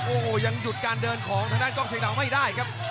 โอ้โหยังหยุดการเดินของทางด้านกล้องเชียงดาวไม่ได้ครับ